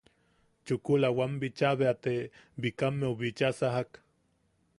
Chukula wam bicha bea te Bikammeu bicha sajak.